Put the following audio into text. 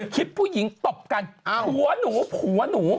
คลิปผู้หญิงตบกันผัวหนูผัวหนู